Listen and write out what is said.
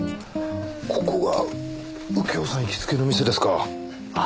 ここが右京さん行きつけの店ですか。